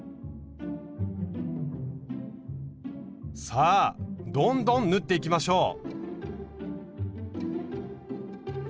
さあどんどん縫っていきましょう！